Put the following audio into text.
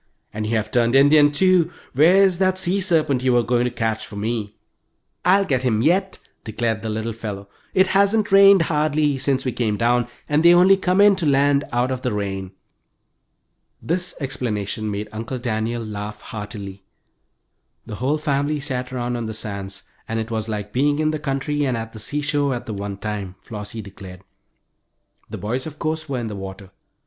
"And you have turned Indian, too! Where's that sea serpent you were going to catch for me?" "I'll get him yet," declared the little fellow. "It hasn't rained hardly since we came down, and they only come in to land out of the rain." This explanation made Uncle Daniel laugh heartily. The whole family sat around on the sands, and it was like being in the country and at the seashore at the one time, Flossie declared. The boys, of course, were in the water.